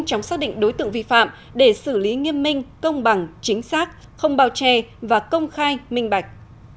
chóng xác định đối tượng vi phạm để xử lý nghiêm minh công bằng chính xác không bao che và công khai minh bạch